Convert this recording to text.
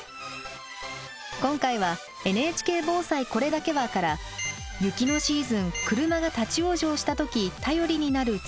今回は「ＮＨＫ防災これだけは」から雪のシーズン車が立往生した時頼りになるツイッター情報について。